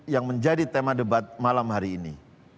yang menjadi tema debat malam hari ini